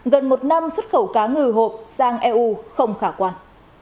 gần một năm xuất khẩu cá ngừ hộp sang eu không khả quan